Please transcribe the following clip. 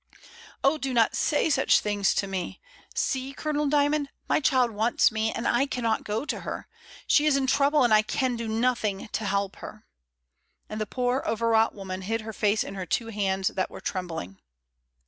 "Oh! do not say such things to me. See, Colonel Djrmond, my child wants me, and I cannot go to her, she is in trouble and I can do nothing to help her;" and the poor over wrought woman hid her face in her two hands that were trembling.